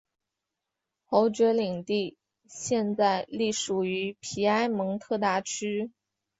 侯爵领地现在隶属于皮埃蒙特大区。